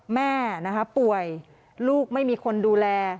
แม่นะคะป่วยลูกไม่มีคนดูแล